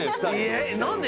何で？